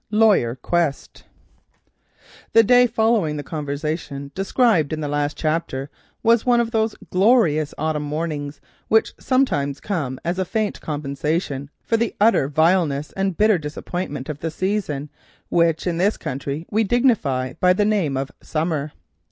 LAWYER QUEST The day following that of the conversation just described was one of those glorious autumn mornings which sometimes come as a faint compensation for the utter vileness and bitter disappointment of the season that in this country we dignify by the name of summer.